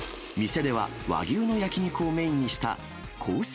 店では、和牛の焼き肉をメインにしたコース